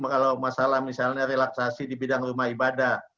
kalau masalah misalnya relaksasi di bidang rumah ibadah